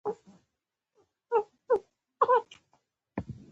واوره د افغان ځوانانو لپاره دلچسپي لري.